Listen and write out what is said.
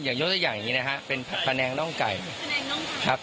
อย่างโยชน์อย่างอย่างงี้นะฮะเป็นพะแนนกน้องไก่พะแนนกน้องครับครับ